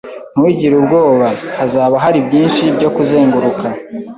Ntugire ubwoba. Hazaba hari byinshi byo kuzenguruka.